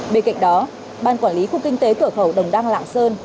bên cạnh đó ban quản lý khu kinh tế cửa khẩu đồng đăng lạng sơn